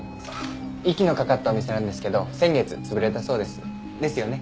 息のかかったお店なんですけど先月潰れたそうです。ですよね？